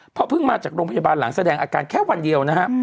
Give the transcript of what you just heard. เพราะเพิ่งมาจากโรงพยาบาลหลังแสดงอาการแค่วันเดียวนะฮะ